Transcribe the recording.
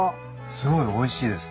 すごいおいしいです。